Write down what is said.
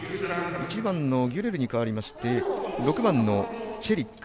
１番のギュレルに代わりまして６番のチェリック。